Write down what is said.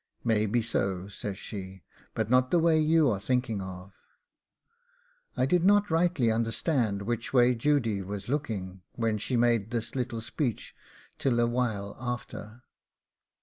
'Maybe so,' says she, 'but not the way you are thinking of.' I did not rightly understand which way Judy was looking when she made this speech till a while after.